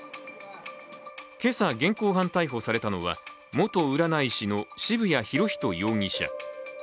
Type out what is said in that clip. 今朝、現行犯逮捕されたのは元占い師の渋谷博仁容疑者。